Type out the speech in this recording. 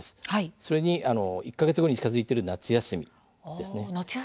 それに、１か月後に近づいている夏休みです。